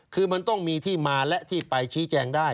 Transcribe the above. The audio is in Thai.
คือมันต้องมีที่มาและที่ไปชี้แจงได้